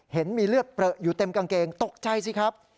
เห็นมีเลือดเปลืออยู่เต็มกางเกงตกใจสิครับ